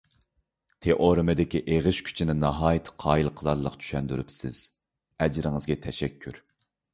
تېئورېمىدىكى ئېغىش كۈچىنى ناھايىتى قايىل قىلارلىق چۈشەندۈرۈپسىز، ئەجرىڭىزگە تەشەككۈر.